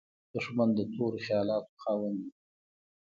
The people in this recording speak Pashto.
دښمن د تورو خیالاتو خاوند وي